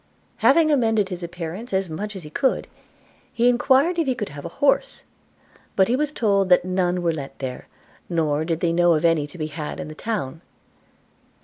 Having amended his appearance as much as he could, he enquired if he could have an horse? but he was told that none were let there, nor did they know of any to be had in the town.